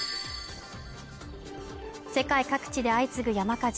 世界各地で相次ぐ山火事